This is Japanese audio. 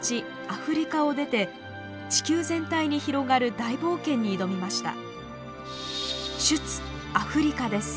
アフリカを出て地球全体に広がる大冒険に挑みました。